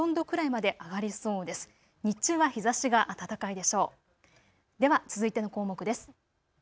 では続いての項目です。